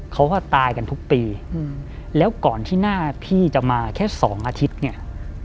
เขาก็ตายกันทุกปีอืมแล้วก่อนที่หน้าพี่จะมาแค่สองอาทิตย์เนี่ย